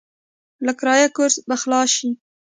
له کرايه کوره به خلاص شې.